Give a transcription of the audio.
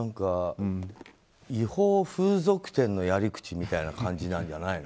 違法風俗店のやり口みたいな感じなんじゃないの？